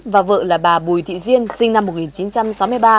và vợ là bà bùi thị diên sinh năm một nghìn chín trăm sáu mươi ba